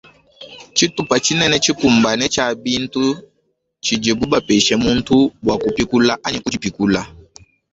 Tsitupa tshinene tshikumbane tshia bintu tshidibu bapesha muntu bua kupikula anyi kudipikula.